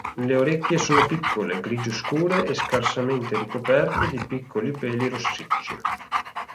Le orecchie sono piccole, grigio scure e scarsamente ricoperte di piccoli peli rossicci.